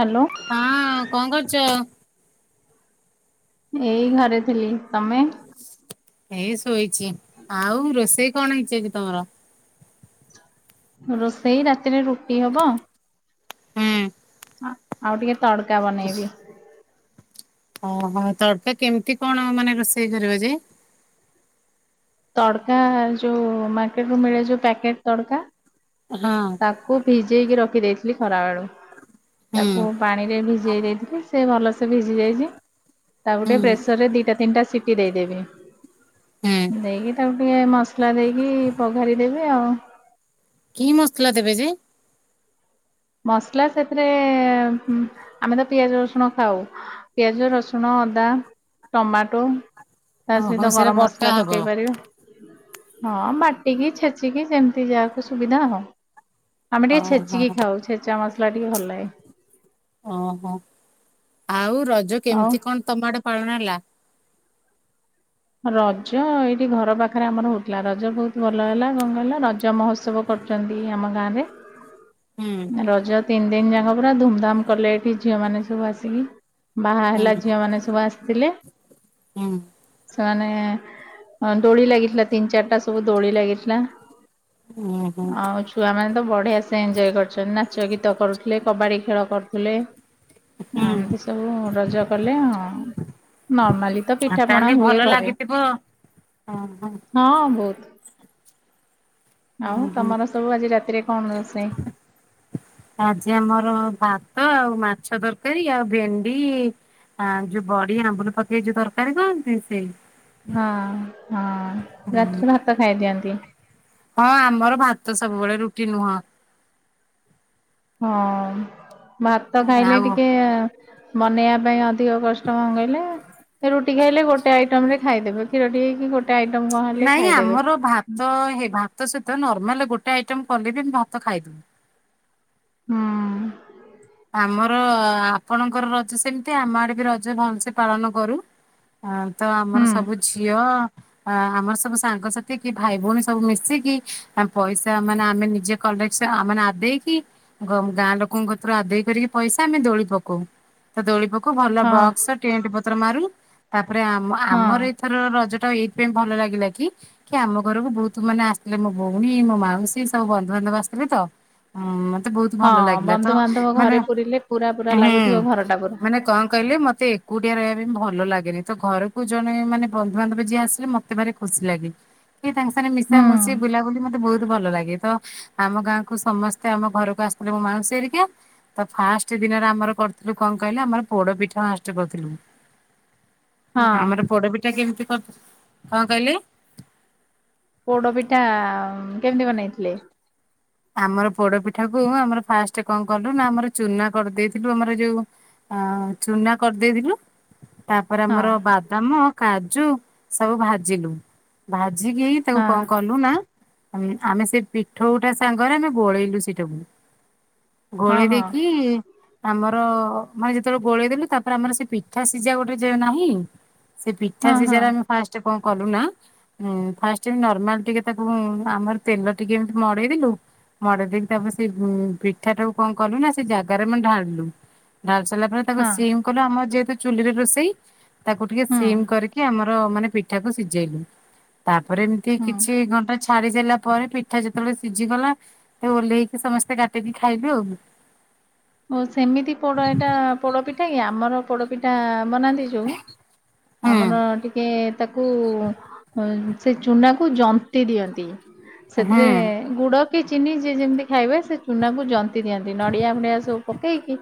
Hello, ହଁ ଅ କଣ କରୁଚ? ଏଇ ଘରେ ଥିଲି, ତମେ? ଏଇ ଶୋଇଚି, ଆଉ ରୋଷେଇ କଣ ହେଇଚି ଆଜି ତମର? ରୋଷେଇ ରାତିରେ ରୁଟି ହବ, ହୁଁ। ଆ ଆଉ ଟିକେ ତଡ଼କା ବନେଇବି। ଓହୋ ତଡକା କେମିତି କଣ ମାନେ ରୋଷେଇ କରିବ ଯେ? ତଡ଼କା ଯୋଉ ମାର୍କେଟ ରୁ ମିଳେ ଯୋଉ ପ୍ୟାକେଟ ତଡକା, ହଁ, ତାକୁ ଭିଜେଇକି ରଖିଦେଇଥିଲି ଖରାବେଳୁ। ହୁଁ ତାକୁ ପାଣିରେ ଭିଜେଇ ଦେଇଥିଲି ସେ ଭଲସେ ଭିଜି ଯାଇଚି। ତାକୁ ହୁଁ ଟିକେ ପ୍ରେସର ରେ ଦିଟା ତିନଟାିଟି ସିଟି ଦେଇଦେବି। ହୁଁ ଦେଇକି ତାକୁ ଟିକେ ମସଲା ଦେଇକି ପଘାରି ଦେବେି ଆଉ। କି ମସଲା ଦେବେ ଯେ। ମସଲା ସେଥିରେ ଆମେ ତ ପିଆଜ ରସୁଣ ଖାଉ। ପିଆଜ ରସୁଣ ଅଦା ଟମାଟୋ। ତା ଓହୋ ସହିତ ସେଟା ଗରମ ବଟା ମସଲା ହବ। ପକେଇ ପାରିବେ। ହଁ ବାଟିକି ଛେଚିକି ଯେମିତି ଯାହାକୁ ସୁବିଧା ଆଉ। ଆମେ ଟିକେ ଓହୋ ଛେଚିକି ଖାଉ ଛେଚା ମସଲା ଟିକେ ଭଲ ଲାଗେ। ଓହୋ ଆଉ ରଜ ଆଉ କେମିତି କଣ ତମ ଆଡେ ପାଳନ ହେଲା। ରଜ ଏଇଠି ଘର ପାଖରେ ଆମର ହଉଥିଲା ରଜ ବହୁତ ଭଲ ହେଲା କଣ କହିଲ ରଜ ମହୋତ୍ସବ। କରୁଚନ୍ତି ଆମ ଗାଁ ରେ। ହୁଁଉଉ। ରଜ ତିନି ଦିନ ଯାକ ପୁରା ଧୁମଧାମ କଲେ ଏଠି ଝିଅମାନେ ସବୁ ଆସିକି। ବାହା ହେଲା ହୁଁ ଝିଅ ମାନେ ସବୁ ଆସିଥିଲେ। ହୁଁ। ସେମାନେ ଦୋଳି ଲାଗିଥିଲା ତିନି ଚାରିଟା ସବୁ ଦୋଳି ଲାଗିଥିଲା। ଓହୋ ଆଉ ଛୁଆମାନେ ତ ବଢିଆ ସେ ଏଞଜୟ କରିଛନ୍ତି ନା। ରଚ ଗୀତ କରୁଥିଲେ କବାଡି ଖେଳ କରୁଥିଲେ ହୁଁ ଆଉ। ସବୁ ରଜ କଲେ ହଁ ନର୍ମାଲି ତ ପିଠାପଣା ତାହେଲେ ହୁଏ। ଭଲ ଘରେ ଲାଗିଥିବ ଓ ହ। ହଁ ବହୁତ। ଆଉ ଓହୋ ତମର ସବୁ ଆଜି ରାତିରେ କଣ ରୋଷେଇ। ଆଜି ଆମର ଭାତ ଆଉ ମାଛ ତରକାରୀ ଆଉ ଭେଣ୍ଡି। ହଁ ଯୋଉ ବଡି ଆମ୍ବୁଲ ପକେଇ ଯୋଉ ତରକାରୀ କହନ୍ତି ସେଇ। ହଁ ହଁ ରାଖୀ ଭାତ ଖାଇଦିଅନ୍ତି। ହଁ ଆମର ଭାତ ସବୁବେଳେ ରୁଟି ନୁହଁ। ହଁ ଭାତ ଖାଇଲେ ଆଉ ଟିକେ। ବନେଇବା ପାଇଁ ଅଧିକ କଷ୍ଟ କଣ କହିଲେ। ରୁଟି ଖାଇଲେ ଗୋଟେ ଆଇଟମ ରେ ଖାଇଦେବେ ଖିରଟିକେ କି ଗୋଟେ ଆଇଟମ କଣ ହେଲେ ଖାଇଦେବେ। ତ ହେଇ ଭାତ ସହିତ ନର୍ମାଲରେ ଗୋଟେ ଆଇଟମ କଲେ ବି ଆମେ ଭାତ ଖାଇଦବୁ। ହୁଁ। ଆମର ଆପଣଙ୍କର ରଜ ସେମିତି ଆମ ଆଡେ ବି ରଜ ଭଲସେ ପାଳନ କରୁ। ଆଁ ତ ଆମର ହୁଁ ସବୁ ଝିଅ। ଆ ଆମର ସବୁ ସାଙ୍ଗସାଥି କି ଭାଇ ଭଉଣୀ ସବୁ ମିଶିକି ଆମେ ପଇସା ମାନେ ଆମେ ନିଜେ। କଲେକ୍ସ ଆ ମାନେ ଆଦେଇକି ଗଁ ଗାଁ ଲୋକ। ପୁରା ଆଦେଏ କରିକି ପଇସା ଆମେ ଦୋଳି ପକଉ। ତ ଦୋଳି ପକଉ ଭଲ ହଁ ବକ୍ସ ଟେଣ୍ଟ ପତ୍ର ମାରୁ ତାପରେ ଆମ ହଁ। ଆମର ଏ। ଏଥର ରଜ ଟା ଏଇଥିପାଇଁ ଭଲ ଲାଗିଲା କି। କି ଆମ ଘରକୁ ବହୁତ ମାନେ ଆସିଥିଲେ ମୋ ଭଉଣୀ ମୋ ମାଉସୀ ସବୁ ବନ୍ଧୁବାନ୍ଧବ ଆସିଥିଲେ ତ। ହୁଁ ମତେ ବହୁତ। ହଁ ଭଲ ଲାଗିଲା ତ ବନ୍ଧୁବାନ୍ଧବ ମାନେ ଘରେ ପୁରିଲେ ପୁରା ପୁରା ଲାଗୁଥିବ ଘର ଟା ପୁରା। ନାଇ କଣ କହିଲେ ମତେ ଏକୁଟିଆ ରହିବା ପାଇଁ ଭଲ ଲାଗେନି ତ ଘରକୁ ଜଣେ ମାନେ ବନ୍ଧୁବାନ୍ଧବ ଯିଏ ଆସିଲେ ମତେ ଭାରି। ଖୁସି ଲାଗେ କି ତାଙ୍କ ସାଙ୍ଗେ ହୁଁ ମିଶାମୁଶି ବୁଲାବୁଲି ମତେ ବହୁତ ଭଲ ଲାଗେ ତ। ଆମ ଗାଁ କୁ ସମସ୍ତେ ଆମ ଘରକୁ ଆସିଥିଲେ ମୋ ମାଉସି ଏରିକା। ତ ଫାଷ୍ଟ ଦିନରେ ଆମର କରିଥିଲୁ କଣ କହିଲେ ଆମର ପୋଡ ପିଠା ଫାଷ୍ଟ କରିଥିଲୁ। ହଁ ଆମର ପୋଡପିଠା କେମିତି କ କଁ କହିଲେ। ପୋଡ ପିଠା କେମିତି ବନେଇଥିଲେ। ଆମର ପୋଡ ପିଠା କୁ ଆମର ଫାଷ୍ଟ କଣ କଲୁ ନା ଆମର ଚୁନା କରିଦେଇଥିଲୁ ଆମର ଯୋଉ। ଆଁ ଚୁନା କରିଦେଇଥିଲୁ। ତାପରେ ହଁ ଆମର ବାଦାମ କାଜୁ ସବୁ ଭାଜିଲୁ ଭାଜିକି। ତାକୁ ହଁ କଣ କଲୁ ନା ଆମେ ଆମେ ସେ ପିଠଉ ଟା। ସାଙ୍ଗରେ ଆମେ ଗୋଳେଇଲୁ ସେଟାକୁ ହଁ ଗୋଳେଇ ହଁ ଦେଇକି। ଆମର ମାନେ ଯେତେ ବେଳେ ଗୋଳେଇ ଦେଲେୁ ତାପରେ ଆମର ସେ ପିଠା ସିଝା ଗୋଟେ ଯେ ନାହିଁ। ସେ ପିଠା ହଁ ସେ ହଁ ଯାର ଆମେ ଫାଷ୍ଟ କଣ କଲୁ ନା ଉଁ ଫାଷ୍ଟ ଏମିତି ନର୍ମାଲ ଟିକେ ତାକୁ ଆମର ତେଲ ଟିକେ ଏମତି ମଡେଇଦଲୁ। ମଡେଇ ଦେଇକି ତାପରେ ସେ ଉଁ ପିଠା ଟାୁ କଣ କଲୁ ନା ସେ ଜାଗାରେ ମାନେ ଢାଳିଲୁ ଢାଳି ସାରିଲା ପରେ ତାକୁ ହଁ ସିମ କଲୁ ଆମ ଯେହେତୁ ଚୁଲିରେ ରୋଷେଇ ତାକୁ ଟିକେ ହୁଁ ସିମ କରିକି ଆମ। ମାନେ ପିଠାକୁ ସିଝେଇଲୁ ତାପରେ ଏମିତି ହୁଁ। କିଛି ଘଣ୍ଟା। ଛାଡି ସାରିଲା ପରେ ପିଠା ଯେତେବେଳେ ସିଝିଗଲା ଓହ୍ଲେଇକି ସମସ୍ତେ କାଟିକି ଖାଇଲୁ ଆଉ। ଓ ସେମିତି ପୋଡ ଏଇଟା ପୋଡ ପିଠା କି ଆମର ପୋଡ। ପିଠା ବନାନ୍ତି ଯୋଉ ହୁଁ ଆମର ଟିକେ। ତାକୁ ସେ ଚୁନାକୁ ଯନ୍ତି ଦିଅନ୍ତି ହୁଁ ସେଥିରେ। ଗୁଡ କି ଚିନି ଯିଏ ଯେମିତି ଖାଇବେ ସେ ଚୁନା କୁ ଜନ୍ତି ଦିଅନ୍ତି ନଡିଆ ଫଡିଆ ସବୁ ପକେଇକି।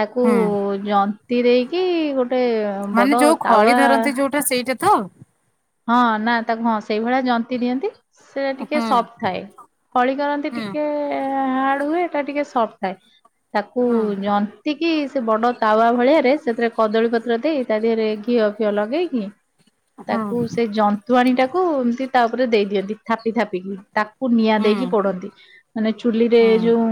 ତାକୁ ହୁଁ ଜନ୍ତି ଦେଇକି ଗୋଟେ। ବଡ ମାନେ ଯୋଉ ଖଳି ତାୱା ଧରନ୍ତି ଯୋଉଟା ସେଇଟା ତ। ହଁ ନା ତାକୁ ହଁ ସେଇଭଳିଆ ଜନ୍ତିି ଦିଅନ୍ତି। ସେଇଟା ଟିକେ ହୁଁ ସଫ୍ଟ ଥାଏ ଖଳି କରନ୍ତି ହୁଁ ଟିକେ। ହାର୍ଡ ହୁଏ ଏଟା ଟିକେ ସଫ୍ଟ ଥାଏ ତାକୁ ହୁଁ ‌। ଯନ୍ତିକି ସେ ବଡ଼ ତାୱା ଭଳିଆରେ ସେଥିରେ କଦଳୀପତ୍ର ଦେଇ ତା ଦେହରେ ଘିଅ ଫିଅ ଲଗେଇକି। ହୁଁ ହୁଁ ତାକୁ ସେ ଜନ୍ତୁଆଣୀ ଟାକୁ ଏମିତି ତା ଉପରେ ଦେଇ ଦିଅନ୍ତି ଥାପି ଥାପିକି ତାକୁ। କୁ ନିଆଁ ଦେଇକି ହୁଁ। ପୋଡନ୍ତି ମାନେ ଚୁଲିରେ ହୁଁ ଯୋଉ।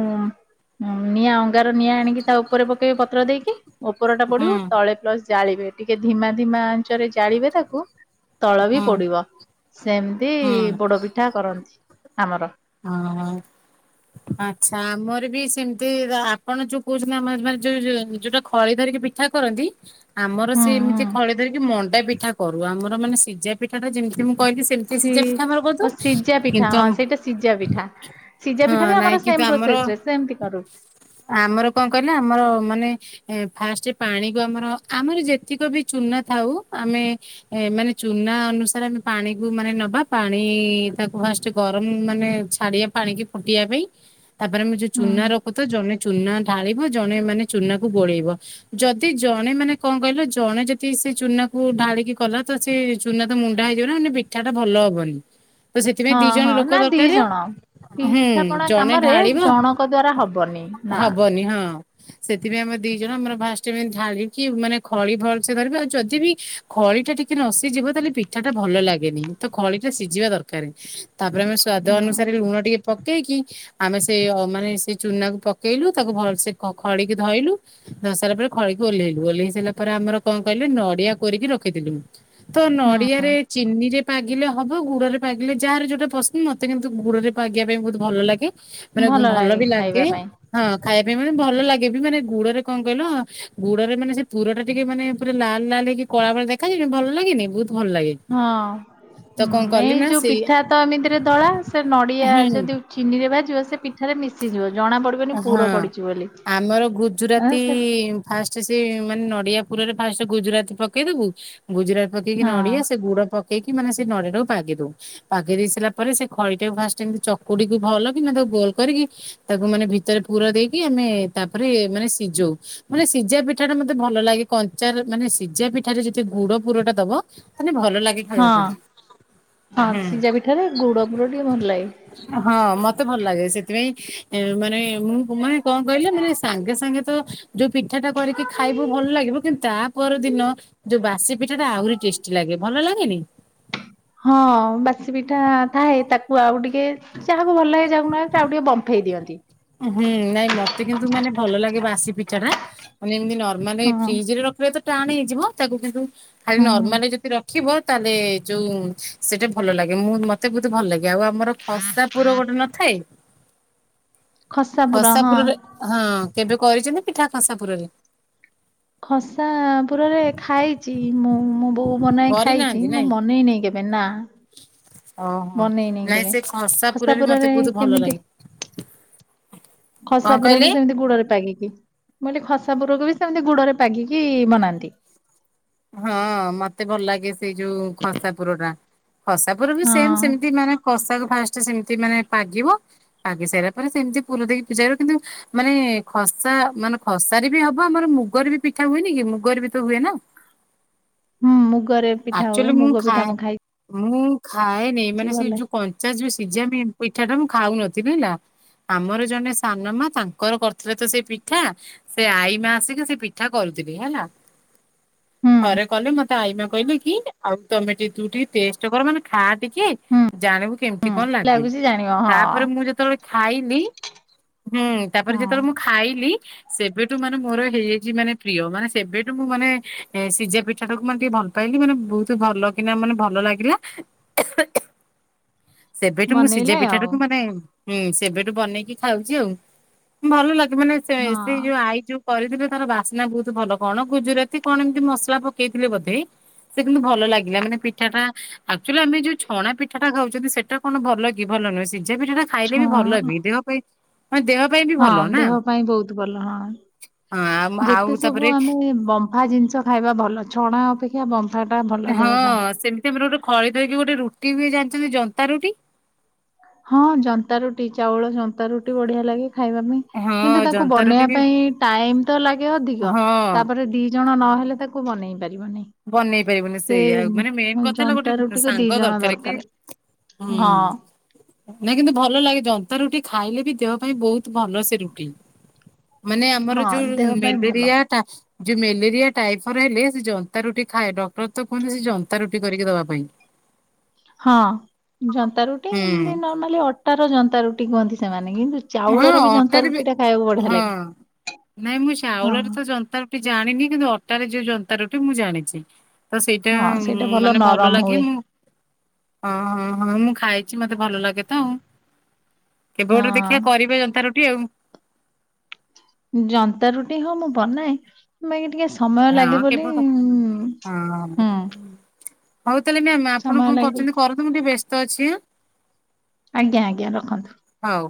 ଉଁ ନିଆଁ ଅଙ୍ଗାର ନିଆଁ ଆଣିକି ତା ଉପରେ ପକେଇବେ ପତ୍ର ଦେଇକି। ଓପର ଟା ପଡିବ ହୁଁ ତଳେ ପ୍ଲସ ଜାଳିବେ ଟିକେ ଧିମା ଧିମା ଆଞ୍ଚରେ ଜାଳିବେ ତାକୁ। ତଳ ବି ହୁଁ ପୋଡିବ ସେମିତି ହଁ ପୋଡ ପିଠା କରନ୍ତି ଆମର। ଅଁ ହଁ। ଆଚ୍ଛା ଆମର ବି ସେମିତି ଆପଣ ଯୋଉ କହୁଛନ୍ତି। ଆମ ମାନେ ଯୋଉ ଯୋଉଟା ଖଳି ଧରିକି ବ କଥା କରନ୍ତି। ଆମର ହୁଁ ସେ ହୁଁ। ଏମିତି ଖଳି ଧରିକି ମଣ୍ଡା ପିଠା କରୁ। ଆମର ମାନେ ସିଝା ପିଠା ଟା ଯେମିତି ମୁଁ- କହିଲି ସେମିତି ସି ସିଜା ପିଠା ମ କୁ କିନ୍ତୁ ଆମ ସିଝା ପିଠା ସିଝା ହଁ ପିଠା ବି ନାଇଁ ଆମର କିନ୍ତୁ ସେମ୍ ଆମର ପ୍ରୋସେସ ରେ ସେମତି କରୁ। ଆମର କଣ କହିଲେ ଆମର ମାନେ- ଫାଷ୍ଟ ପାଣିକୁ ଆମର ଆମର ଯେତିକ ବି ଚୂନା ଥାଉ ଆମେ- ଏ ମାନେ ଚୁନା ଅନୁସାରେ ଆମେ ପାଣିକୁ ମାନେ ନବା ପାଣି ତାକୁ ଫାଷ୍ଟ ଗରମ ମାନେ- ଛାଡିଆ ପାଣିିକି ଫୁଟିବା ପାଇଁ- ତାପରେ ମୁମେ ଯୋଉ ହୁଁ ଚୁନା ରଖୁ ତ ଜଣେ ଚୁନା ଢାଳିବ ଜଣେ ମାନେ ଚୁନାକୁ ବୋଳେଇବ। ଯଦି ଜଣେ ମାନେ କଣ କହିଲ? ଜଣେ ଯଦି ସେ ଚୁନାକୁ ଢାଳିକି କଲା ତ ସେ ଚୁନା ତ ମୁଣ୍ଡା ହେଇଯିବ। ନା ମ ପିଠା ଟା ଭଲ ହବନି। ତ ସେଥିପାଇଁ ଦି ହଁ ଜଣ ହଁ ଲୋକ ନା ଦି ଦରକାର। ଜଣ। ହୁଁ ପିଠାପଣା ଜଣେ କାମରେ ଢାଳିବ ଜଣଙ୍କ ଦ୍ଵାରା ହବନି ନା। ହବନି ହଁ। ସେଥିପାଇଁ ଆମର ଦି ଜଣ ଆମର ଭାଷ୍ଟମ ଢାଳିକି ମାନେ ଖଳି ଫଳସ ଧରିବେ। ଆଉ ଯଦି ବି ଖଳି ଟା ଟିକେ ନସିିଯିବ ତାହେଲେ ପିଠା ଟା ଭଲ ଲାଗେନି। ତ ଖଳିଟା ସିଝିବା ଦରକାର। ତାପରେ ଆମେ ସ୍ଵାଦ ହୁଁ ଅନୁସାରେ ଲୁଣ ଟିକେ ପକେଇକି। ଆମେ ସେ ମାନେ ସେ ଚୁନାକୁ ପକେଇଲୁ ତାକୁ ଭଲସେ ଖଡିକି ଧୋଇଲୁ। ଧ ସାରିଲା ପରେ ଖଳିକି ଓହ୍ଲେଇଲୁ ଓହ୍ଲେଇ ସାରିଲ ପରେ ଆମର କଣ କହିଲୁ ନଡିଆ କରିକି ରଖିଥିଲୁ। ତ ହୁଁ ନଡିଆରେ ଚିନି ରେ ପାଗିଲେ ହବ ଗୁଡ ରେ ପାଗିଲେ ଯାହାର ଯୋଉଟା ପସନ୍ଦ ମତେ କିନ୍ତୁ ଗୁଡ ରେ ପାଗିଲେ- ପାଗିବା ପାଇଁ ବହୁତ ଭଲ ଲାଗେ ମାନେ ଭଲ ବି ଲାଗେ। ହଁ ଖାଇବା ପାଇଁ ମାନେ ଭଲ ଲାଗେ ବି ମାନେ ଗୁଡରେ କଣ କହିଲ ଗୁଡରେ ମାନେ ସେ ପୁର ଟା ଟିକେ ମାନେ- ପୁରା ଲାଲ ଲାଲ ହେକି କଳାବେଳେ ଦେଖାଯିବନଣି ଭଲ ଲାଗେନି ବହୁତ ଭଲ ଲାଗେ। ତ କଣ ହଁଁ କଲି ଏଇ ନା ଯୋଉ ସେଇ ପିଠା ତ ଏମିତିରେ ଧଳା ସେ ନଡିଆ ହୁଁ ଯଦି- ଚିନି ରେ ବା ଯିବ ସେ ପିଠାରେ ମିଶି ଯିବ ଜଣା ପଡ- ହଁ ଆମର ହଁ ସେ ଗୁଜୁରାତି- ଫାଷ୍ଟ ସେ ମାନେ ନଡିଆ ପୁରରେ ଫାଷ୍ଟ ଗୁଜୁରାତି ପକେଇଦବୁ। ଗୁଜୁରାଟ ପକେଇକି ହଁ। ନଡିଆ ସେ ଗୁଡ ପକେଇକି ମାନେ ସେ ନଡିଆ ଟାକୁ ପାଗି ଦଉ। ପାଗେଇ ଦେଇ ସାରା ପରେ ସେ ଖଳି ଟାକୁ ଫାଷ୍ଟ ଏମତି ଚକୁଡିକୁ ଭଲ କି ତାକୁ ଗୋଲ କରିକି ତାକୁ ମାନେ ଭିତରେ ପୁର ଦେଇକି ଆମେ ତାପରେ ମାନେ ସିଜଉ। ମାନେ ସିଝା ପିଠା ଟା ମତେ ଭଲ ଲାଗେ। କଞ୍ଚାର ମାନେ ସିଝା ପିଠାରେ ଯଦି ଗୁଡ ପୁର ଟା ଦବ- ମାନେ ଭଲ ଲାଗେ। ହଁ ଖାଇବା ପାଇଁ ହଁ ହୁଁ। ସିଝା ପିଠାରେ ଗୁଡ ପୁର ଟିକେ ଭଲ ଲାଗେ। ହଁ ମତେ ଭଲ ଲାଗେ। ସେଥିପାଇଁ ମାନେ ମୁଁ ମାନେ କଣ କହିଲେ ମାନେ ସାଙ୍ଗେ ସାଙ୍ଗେ ତ- ଯୋଉ ପିଠା ଟା କରିକି ଖାଇବୁ ଭଲ ଲାଗିବ। କିନ୍ତୁ ତା ପର ଦିନ- ଯୋଉ ବାସି ପିଠା ଟା ଆହୁରି ଟେଷ୍ଟି ଲାଗେ। ଭଲ ଲାଗେନି। ହଁ ବାସି ପିଠା ଥାଏ ତାକୁ ଆଉ ଟିକେ- ଯାହାକୁ ଭଲ ଲାଗେ ଯାହାକୁ ନାହାନ୍ତି ସେ ଆଉ ଟିକେ ବମ୍ଫେଇ ଦିଅନ୍ତି। ହୁଁ ନାଇଁ ମତେ କିନ୍ତୁ ମାନେ ଭଲ ଲାଗେ। ବାସି ପିଠା ଟା ମାନେ ଏମତି ନର୍ମାଲ ହଁ ଫ୍ରିଜରେ ରଖିବ ତ ଟାଣ ହେଇଯିବ। ତାକୁ କିନ୍ତୁ ଖାଲି ହୁଁ ନର୍ମାଲରେ ଯଦି ରଖିବ- ତାହେଲେ ଯୋଉ ସେଇଟା ଭଲ ଲାଗେ। ମୁଁ ମତେ ବହୁତ ଭଲ ଲାଗେ। ଆଉ ଆମର ଖସା ପୁର ଗୋଟେ ନଥାଏ। ଖସା ପୁର ହଁ। ଖସାପୁରରେ ହଁ କେବେ କରିଛନ୍ତି ପିଠା ଖସାପୁରରେ। ଖସା ପୁରରେ ଖାଇଛି। ମୁଁ ମୋ ବୋଉ ବନାଇ ଖାଇଛି କରିନାହାନ୍ତି ମୁଁ ନାଇଁ ବନେଇ ନେଇ କେବେ। ମେନା [inaudible] ଓହୋ ବନେଇନହି ନାଇଁ କେବେ ସେ ପୁର ଖସା ବି ମତେ ପୁରରେ ବହୁତ ଭଲ କେମିତି। ଲାଗେ। କଣ ଖସା ପୁର କହିଲେ? ବି ସେମିତି ଗୋଡରେ ପାଗିକି। ମୁ କହିଲି ଖସା ପୁରକ ବି ସେମିତି ଗୁଡରେ ପାଗିକି ବନାନ୍ତି। ହଁ ମତେ ଭଲ ଲାଗେ ସେଇ ଯୋଉ ଖସା ପୁର ଟା। ଖସା ପୁର ବି ହଁ ସେମ ସେମତି ମାନେ ଖସାକୁ ଫାଷ୍ଟ ସେମତି ମାନେ ଭାଜିବ। ଆଗି ସାରିଲା ପରେ ସେମିତି ପୁରର ଦେଇକି ପୂଜା କିନ୍ତୁ ମାନେ ଖସା ମାନେ ଖସାରେ ବି ହବ ମାନେ ମୁଗର ବି ପିଠା ହୁଏନି କି ମୁଗର ବି ତ ହୁଏ ନା? ହୁଁ ମୁଗରେ ପିଠା ହୁଏ ଆକ୍ଚୁଆଲି ମୁଁ ମୁଗ ପିଠା ଖାଏ ମୁଁ ଖାଇଛି ମୁଁ ଖାଏନି ମାନେ ସେ ଭଲ ଯୋଉ କ ଯାର ଯୋଉ ସିଝ ପିଠା ଟା ମୁଁ ଖାଉନଥିଲି ହେଲା। ଆମର ଜଣେ ସାନ ମା ତାଙ୍କର କରିଥିଲେ ତ ସେ ପିଠା। ସେ ଆଇମା ଆସିକି ସେ ପିଠା କରୁଥିଲେ ହେଲା। ହୁଁ। ଥରେ କଲେ ମତେ ଆଇମା କହିଲେ କି ଆଉ ତମେ ସେଥିରୁ ଟିକେ ଟେଷ୍ଟ କର ମାନେ ଖା ଟିକେ? ହୁଁ ଜାଣିବୁ କେମତି କଣ ଲାଗେ। ଲାଗୁଛି ଜାଣିବ ହଁ ତାପରେ ମୁଁ ଯେତେବେଳେ ଖାଇଲି ହୁଁ ତାପରେ ଯେତେବେଳେ ମୁଁ ହଁ ଖାଇଲି ସେବେଠୁ ମାନେ ମୋର ହେଇଯାଇଚି ମାନେ ପ୍ରିୟ ମାନେ ସେବେଠୁ ମୁଁ ମାନେ ସିଝା ପିଠା ଟାକୁ ମାନେ ଟିକେ ଭଲ ପାଇଲି ମାନେ ବହୁତ ଭଲ କିନା ମାନେ ଭଲ ଲାଗିଲା। ସେବେଠୁ ମୁଁ ବନେଇଲେ ସିଝା ପିଠା ଆଉ ଟାକୁୁ ମାନେ ହୁଁ ସେବେଠୁ ବନେଇକି ଖାଉଚି ଆଉ। ଭଲ ଲାଗେ ମାନେ ହଁ ସେଇ ଯୋଉ ଆଇ ଯୋଉ କରିଥିଲେ ତାର ବାସ୍ନା ବହୁତ ଭଲ କଣ ଗୁଜୁରାତି କଣ ଏମିତି ମସଲା ପକେଇଥିଲେ ବୋଧେ। ସେ କିନ୍ତୁ ଭଲ ଲାଗିଲା ମାନେ ପିଠା ଟା ଆକ୍ଚୁଆଲି ଆମେ ଯୋଉ ଛଣା ପିଠା ଟା ଖାଉଚନ୍ତି ସେଟା କଣ ଭଲ କି ଭଲ ନୁହଁ ସିଝା ପିଠା ଟା ଖାଇଲେ ବି ଭଲ ଛଣ ହେବି ଦେହ ପାଇଁ ମାନେ ଦେହ ପାଇଁ ବି ହଁ ଭଲ ନା। ଦେହ ପାଇଁ ବହୁତ ଭଲ। ହଁ ହଁ ଆଉ ଯେତେ ସବୁ ତାପରେ ଆମେ କାହା ଜିନିଷ ଖାଇବା ଭଲ। ଛଣା ଅପେକ୍ଷା ସେଆ ବମ୍ଫା ଟା ଭ ହଁ ସେମିତି ଆମର ଗୋଟେ ଖଳି ଧରକି ଗୋଟେ ରୁଟି ବି ଜାଣିଛନ୍ତି ଜନ୍ତା ରୁଟି। ହଁ ଜନ୍ତା ରୁଟି ଚାଉଳ ଜନ୍ତା ରୁଟି ବଢିଆ ଲାଗେ ଖାଇବା ପାଇଁ। ହଁ କିନ୍ତୁ ତାକୁ ଜନ୍ତା ରୁଟି ବନେଇବା ବି ପାଇଁ ଟାଇମ ତ ଲାଗେ ଅଧିକ ହଁ ତାପରେ ଦି ଜଣ ନହେଲେ ତାକୁ ବନେଇ ପାରିବନି। ବନେଇ ପାରିବନି ସେ ସେୟା ଆଉ ମାନେ ମେନ୍ କଥା ହେଲା ଜନ୍ତା ଗୋଟେ ରୁଟିକୁ ଦି ସାଙ୍ଗ ଜଣ ଦରକାର କି ହୁଁ। ହଁ ନାଇ କିନ୍ତୁ ଭଲ ଲାଗିଥା ନ୍ତା ଜନ୍ତା ରୁଟି ମାନେ ଆମର ହଁ ଯୋଉ ଦେହ ପାଇଁ ଭଲ ମ୍ୟାଲେରିଆ ଟା ଯୋଉ ମ୍ୟାଲେରିଆ ଟାଇଫର ହେଲେ ସେ ଜ ନ୍ତା ରୁଟି ଖାଏ ଡକ୍ଟର ତ କୁହନ୍ତି ସେ ଜନ୍ତା ରୁଟି କରିକି ଦବା ପାଇଁ। ହଁ ଜନ୍ତା ରୁଟି ହୁଁ। ଏମତି ନର୍ମାଲି ଅଟାର ଜନ୍ତା ରୁଟି କୁହନ୍ତି ସେମାନେ କିନ୍ତୁ ହଁ ଚାଉଳର ଜନ୍ତା ଅଟାରେ ରୁଟି ବି ଟା ଖାଇବାକୁ ବଢିଆ ହଁ ଲାଗେ। ନାଇଁ ମୁଁ ହଁ। ଚାଉଳରେ ତ ଯନ୍ତାର ଟି ଜାଣିନି କିନ୍ତୁ ଅଟାରେ ଯୋଉ ଯନ୍ତା ରୁଟି ମୁଁ ଜାଣିଚି। ତ ସେଇଟା ହଁ ସେଇଟା ମାନେ ଭଲ ନରମ ହୁଏ ଲାଗେ ମୁଁ ଓ ହ ହଁ ମୁଁ ଖାଇଚି। ମତେ ଭଲ ଲାଗେ ତ ଆଉ। କେବେ ଗୋଟେ ଦେଖିବା ହଁ କରିବେ ଜନ୍ତା ରୁଟି ଆଉ। ଜନ୍ତା ରୁଟି ହଁ ମୁଁ ବନାଏ। ବାକି ଟିକେ ସମୟ ହଁ ଲାଗେ ବୋଲି କେବେ ହଁ। ହୁଁ ହଉ ତାହେଲେ ମ୍ୟାାମ ଆପଣ ସମୟ କଣ ଲାଗେ ବୋଲି। କରୁଚନ୍ତି କରନ୍ତୁ ମୁଁ ଟିକେ ବ୍ୟସ୍ତ ଅଛିଁ ହାଁ। ଆଜ୍ଞା ଆଜ୍ଞା ରଖନ୍ତୁ। ହଉ।